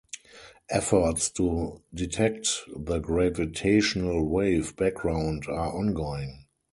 Efforts to detect the gravitational wave background are ongoing.